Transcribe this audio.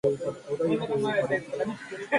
Hususan upande wa kusini mwa mpaka wa Mutukula.